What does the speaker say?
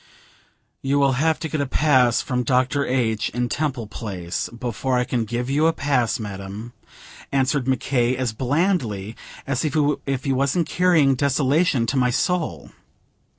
"You will have to get a pass from Dr. H., in Temple Place, before I can give you a pass, madam," answered Mc K., as blandly as if he wasn't carrying desolation to my soul.